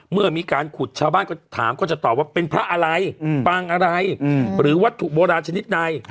เมื่อมีการขุดชาวบ้านก็ถามก็จะตอบว่าเป็นพระอะไรปางอะไรหรือวัตถุโบราณชนิดใด